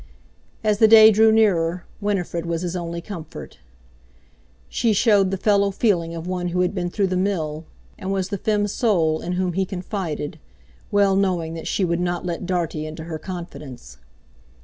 As the day grew nearer, Winifred was his only comfort. She showed the fellow feeling of one who had been through the mill, and was the "femme sole" in whom he confided, well knowing that she would not let Dartie into her confidence.